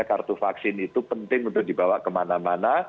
ada kartu pas ya namanya kartu vaksin itu penting untuk dibawa kemana mana